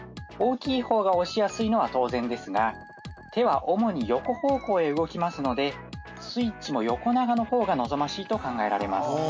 大きい方が押しやすいのは当然ですが手は主に横方向へ動きますのでスイッチも横長の方が望ましいと考えられます。